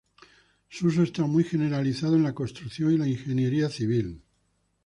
Su uso está muy generalizado en la construcción y la ingeniería civil.